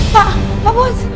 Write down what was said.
pak pak bos